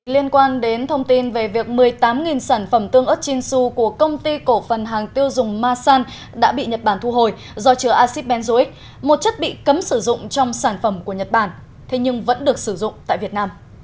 liên quan đến thông tin về việc một mươi tám sản phẩm tương ớt chinsu của công ty cổ phần hàng tiêu dùng masan đã bị nhật bản thu hồi do chứa acid benzoic một chất bị cấm sử dụng trong sản phẩm của nhật bản thế nhưng vẫn được sử dụng tại việt nam